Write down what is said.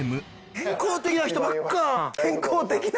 健康的な人ばっかだな。